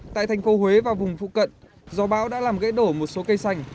tại thành phố huế và vùng phụ cận gió bão đã làm gãy đổ một số cây xanh